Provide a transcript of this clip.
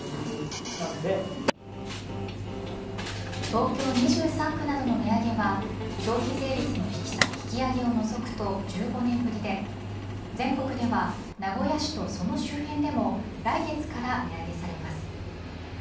東京２３区などの値上げは消費税率の引き上げを除くと１５年ぶりで全国では名古屋市とその周辺でも来月から値上げされます。